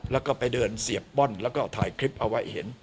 แล้วก็ไปเดินเสียบป้อนแล้วก็ถ่ายคลิปเอาไว้เห็น